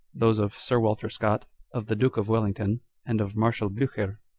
those of Sir Walter Scott, of the Duke of Wellington, and of Marshal Blucher.